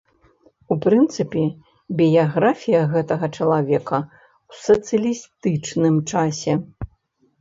У прынцыпе, біяграфія гэтага чалавека ў сацыялістычным часе.